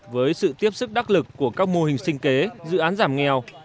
với sự tiếp sức đắc lực của các mô hình sinh kế dự án giảm nghèo